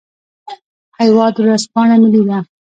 هیواد ورځپاڼه ملي ده